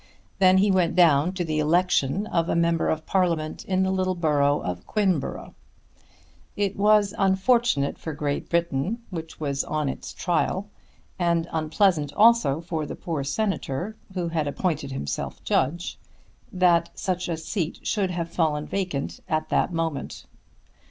Then he went down to the election of a member of Parliament in the little borough of Quinborough. It was unfortunate for Great Britain, which was on its trial, and unpleasant also for the poor Senator who had appointed himself judge, that such a seat should have fallen vacant at that moment.